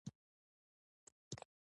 هغه یوازې عمره وه.